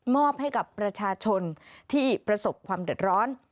อบให้กับประชาชนที่ประสบความเดือดร้อน